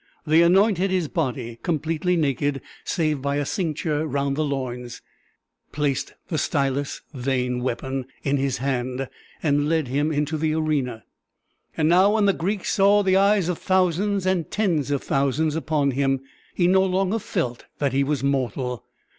They anointed his body, completely naked save by a cincture round the loins, placed the stilus (vain weapon!) in his hand, and led him into the arena. And now when the Greek saw the eyes of thousands and tens of thousands upon him, he no longer felt that he was mortal.